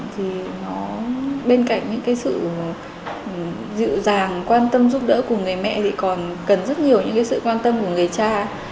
thì nó bên cạnh những cái sự dịu dàng quan tâm giúp đỡ cùng người mẹ thì còn cần rất nhiều những cái sự quan tâm của người cha